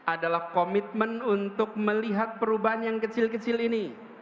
adalah komitmen untuk melihat perubahan yang kecil kecil ini